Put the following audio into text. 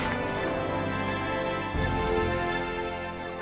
penyakitku pasti bertamba parah